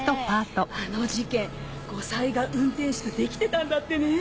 あの事件後妻が運転手とデキてたんだってねぇ！